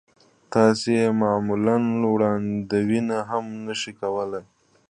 تاسې يې معمولاً وړاندوينه هم نه شئ کولای.